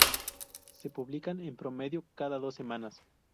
Se publican, en promedio, cada dos semanas.